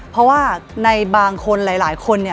เพราะว่าในบางคนหลายคนเนี่ย